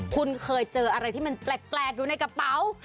คุณเคยเจออะไรที่มันแปลกอยู่ในกระเป๋า